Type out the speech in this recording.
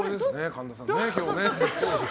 神田さん、今日ね。